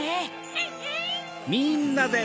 アンアン！